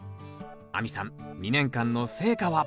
亜美さん２年間の成果は？